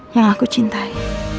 yang aku cintai